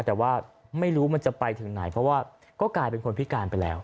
แต่ว่าไม่รู้มันจะไปถึงไหนเพราะว่าก็กลายเป็นคนพิการไปแล้ว